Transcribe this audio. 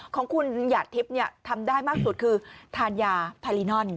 ของคุณหยาดทิพย์ทำได้มากสุดคือทานยาพาลินอน